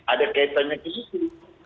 ada kaitannya disitu